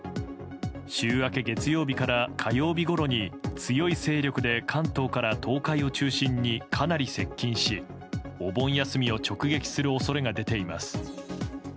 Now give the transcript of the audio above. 週明け月曜日から火曜日ごろに強い勢力で関東から東海を中心にかなり接近しお盆休みを直撃する恐れが出ています。